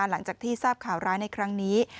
หลังจากที่ทราบข่าวร้ายในครั้งนี้